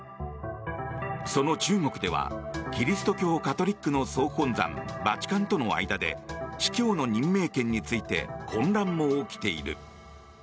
その中国ではキリスト教カトリックの総本山バチカンとの間で司教の任命権について混乱も起きている。